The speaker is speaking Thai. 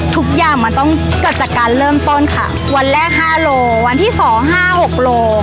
ทุกอย่างมันต้องเกิดจากการเริ่มต้นค่ะวันแรกห้าโลวันที่สองห้าหกโล